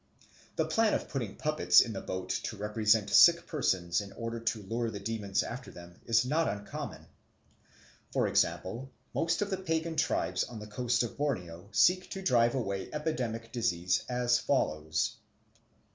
The plan of putting puppets in the boat to represent sick persons, in order to lure the demons after them, is not uncommon. For example, most of the pagan tribes on the coast of Borneo seek to drive away epidemic disease as follows.